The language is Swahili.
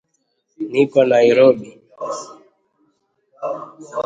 Niko Nairobi